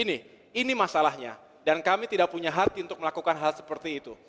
ini masalahnya dan kami tidak punya hati untuk melakukan hal seperti itu